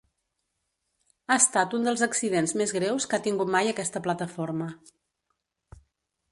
Ha estat un dels accidents més greus que ha tingut mai aquesta plataforma.